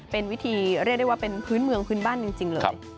เป็นวิธีเรียกได้ว่าเป็นพื้นเมืองพื้นบ้านจริงเลย